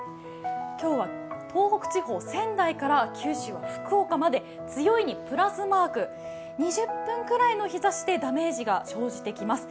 今日は東北地方・仙台から九州・福岡まで２０分くらいの日ざしでダメージが生じてきます。